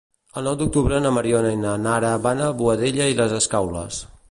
El nou d'octubre na Mariona i na Nara van a Boadella i les Escaules.